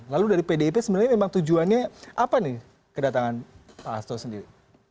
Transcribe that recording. lalu dari pdip sebenarnya memang tujuannya apa nih kedatangan pak hasto sendiri